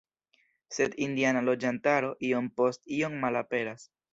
Sed indiana loĝantaro iom post iom malaperas.